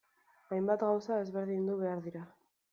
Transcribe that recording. Hainbat gauza ezberdindu behar dira.